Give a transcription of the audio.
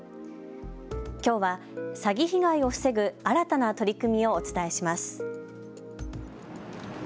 きょうは詐欺被害を防ぐ新たな取り組みをお伝えします。